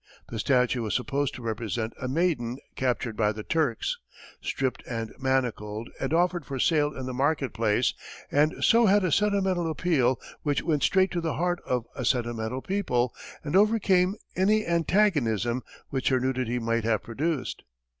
The statue was supposed to represent a maiden captured by the Turks, "stripped and manacled and offered for sale in the market place," and so had a sentimental appeal which went straight to the heart of a sentimental people, and overcame any antagonism which her nudity might have produced.